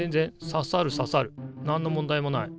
何の問題もない。